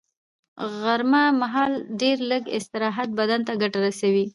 غرمه مهال لږ استراحت بدن ته ګټه رسوي